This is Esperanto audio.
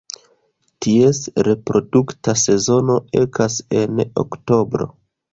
Ties reprodukta sezono ekas en oktobro.